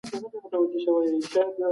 معلوماتي ټیکنالوژي پرمختګ ته لاره هواروي.